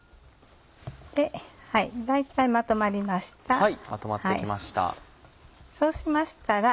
大体まとまりました。